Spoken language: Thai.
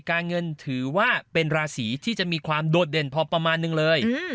การเงินถือว่าเป็นราศีที่จะมีความโดดเด่นพอประมาณนึงเลย